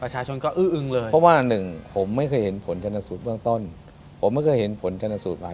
ประชาชนก็อื้ออึงเลย